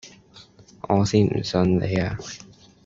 我先唔信你呀